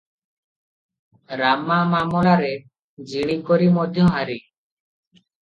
ରାମା ମାମଲାରେ ଜିଣି କରି ମଧ୍ୟ ହାରି ।